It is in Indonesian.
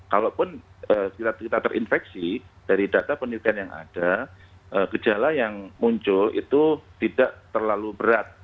kalaupun kita terinfeksi dari data penelitian yang ada gejala yang muncul itu tidak terlalu berat